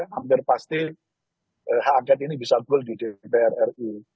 hampir pasti hak angket ini bisa goal di dpr ri